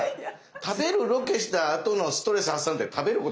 食べるロケしたあとのストレス発散って食べることですからね。